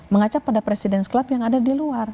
mengaca pada presiden club yang ada di luar